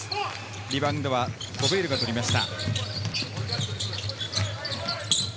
リバウンドはゴベールが取りました。